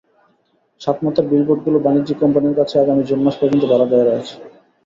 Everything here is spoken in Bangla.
সাতমাথার বিলবোর্ডগুলো বাণিজ্যিক কোম্পানির কাছে আগামী জুন মাস পর্যন্ত ভাড়া দেওয়া রয়েছে।